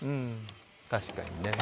確かにね。